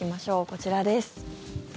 こちらです。